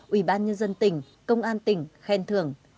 ủy ban nhân dân tỉnh công an tỉnh khen thưởng